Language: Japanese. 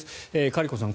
カリコさん